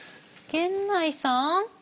源内さん。